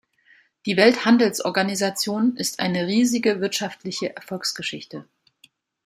Die Welthandelsorganisation ist eine riesige wirtschaftliche Erfolgsgeschichte.